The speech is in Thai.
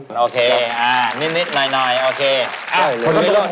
อานิดหน่อยโอเค